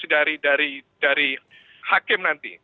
dari hakim nanti